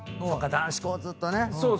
男子校ずっとね。